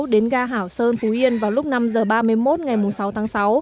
đến ga hảo sơn phú yên vào lúc năm h ba mươi một ngày sáu tháng sáu